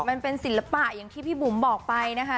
มันเป็นศิลปะอย่างที่พี่บุ๋มบอกไปนะคะ